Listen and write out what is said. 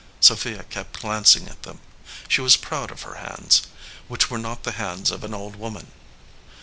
Sophia kept glancing at them. She was proud of her hands, which were not the hands of an old woman.